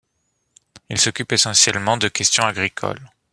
Il s'occupe essentiellement de questions agricoles.